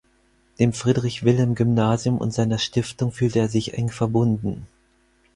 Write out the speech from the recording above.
Dem Friedrich-Wilhelm-Gymnasium und seiner Stiftung fühlte er sich eng verbunden.